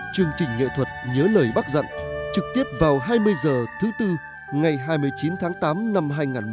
chương trình nghệ thuật nhớ lời bác dặn trực tiếp vào hai mươi h thứ tư ngày hai mươi chín tháng tám năm hai nghìn một mươi chín